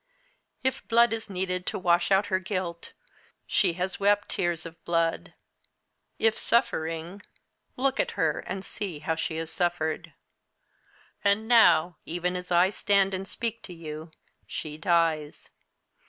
If blood is needed to wash out her guilt, she has wept tears of blood. If suffering look at her and see how she has suffered. And now, even as I stand and speak to you, she dies.